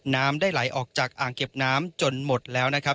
น้ำได้ไหลออกจากอ่างเก็บน้ำจนหมดแล้วนะครับ